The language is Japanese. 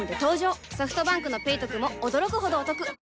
ソフトバンクの「ペイトク」も驚くほどおトク